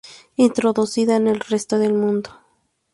Introducida en el resto del mundo.